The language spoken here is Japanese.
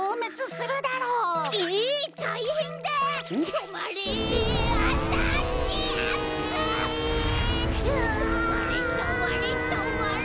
とまれとまれとまれ！